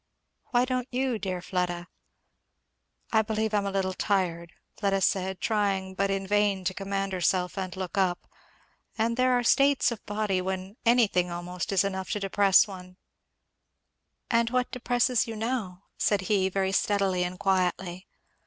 "Why don't you, dear Fleda?" "I believe I am a little tired," Fleda said, trying but in vain to command herself and look up, "and there are states of body when anything almost is enough to depress one " "And what depresses you now?" said he, very steadily and quietly.